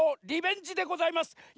リベンジでございます。